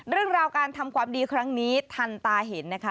เรื่องราวการทำความดีครั้งนี้ทันตาเห็นนะคะ